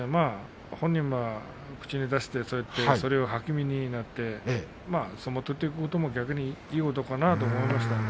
本人は口に出してそれが励みになって相撲を取っていくのもいいことかなと思います。